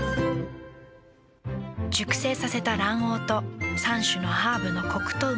熟成させた卵黄と３種のハーブのコクとうま味。